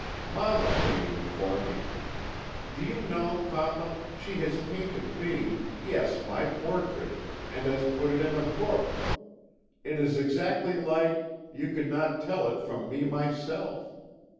"'Mamma painted it for me. Do you know, papa, she has painted me yes, my portrait, and has put it in a book. It is exactly like you could not tell it from me myself.